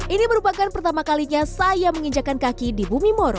ini merupakan pertama kalinya saya menginjakan kaki di bumi moro